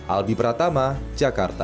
albi pratama jakarta